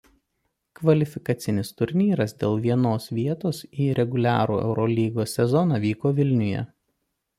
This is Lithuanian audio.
Kvalifikacinis turnyras dėl vienos vietos į reguliarų Eurolygos sezoną vyko Vilniuje.